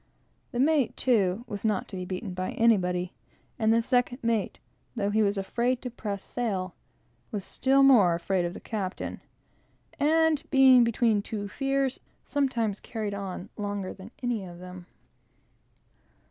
The mate, too, was not to be beaten by anybody; and the second mate, though he was afraid to press sail, was afraid as death of the captain, and being between two fears, sometimes carried on longer than any of them.